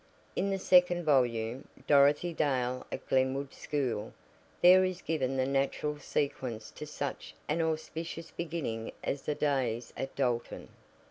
In the second volume, "Dorothy Dale at Glenwood School," there is given the natural sequence to such an auspicious beginning as the days at Dalton.